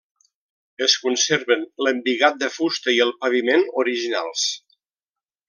Es conserven l’embigat de fusta i el paviment originals.